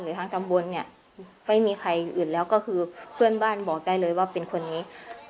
ทางตำบลเนี่ยไม่มีใครอื่นแล้วก็คือเพื่อนบ้านบอกได้เลยว่าเป็นคนนี้